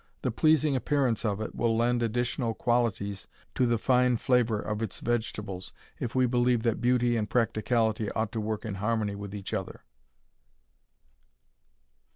The pleasing appearance of it will lend additional qualities to the fine flavor of its vegetables if we believe that beauty and practicality ought to work in harmony with each other.